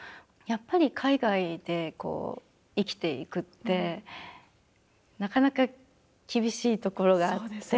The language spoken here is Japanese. やっぱり海外で生きていくってなかなか厳しいところがあって。